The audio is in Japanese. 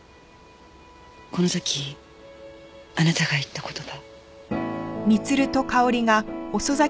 この時あなたが言った言葉。